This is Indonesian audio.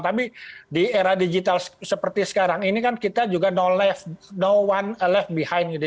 tapi di era digital seperti sekarang ini kan kita juga know one left behind gitu